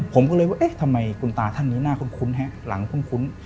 ผมก็เลยว่าเอ๊ะทำไมคุณตาท่านนี้หน้าคุ้นฮะหลังคุ้น